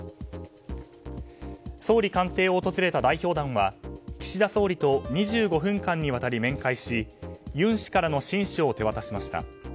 総理官邸を訪れた代表団は岸田総理と２５分間にわたり面会し尹氏からの親書を手渡しました。